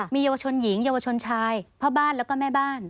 มีเยาวชนหญิงเยาวชนชายพ่อบ้านแล้วก็แม่บ้าน